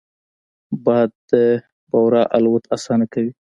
باد د بورا الوت اسانه کوي